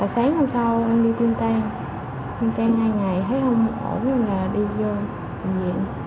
sáng hôm sau em đi tiêm tan tan hai ngày thấy không ổn là đi vô bệnh viện